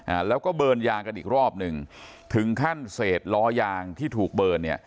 อ่าแล้วก็เบิร์นยางกันอีกรอบหนึ่งถึงขั้นเศษล้อยางที่ถูกเบิร์นเนี่ย